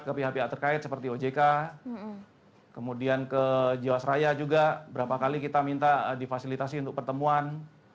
ke pihak pihak terkait seperti ojk kemudian ke jawa seraya juga berapa kali kita minta difasilitasi untuk pertemuan